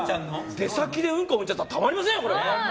出先でうんこふんじゃったらたまりませんよ。